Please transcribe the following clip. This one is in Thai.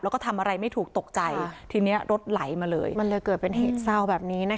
แล้วก็ทำอะไรไม่ถูกตกใจทีนี้รถไหลมาเลยมันเลยเกิดเป็นเหตุเศร้าแบบนี้นะคะ